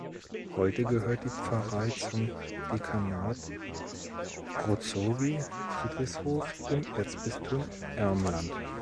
Heute gehört die Pfarrei zum Dekanat Rozogi "(Friedrichshof)" im Erzbistum Ermland.